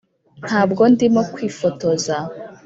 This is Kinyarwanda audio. ntabwo ndimo kwifotoza,